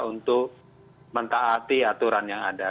untuk mentaati aturan yang ada